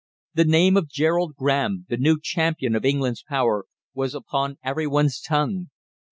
The name of Gerald Graham, the new champion of England's power, was upon every one's tongue.